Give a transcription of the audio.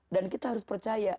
dan kita harus percaya